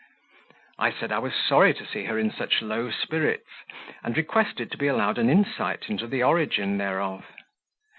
I said I was sorry to see her in such low spirits, and requested to be allowed an insight into the origin thereof.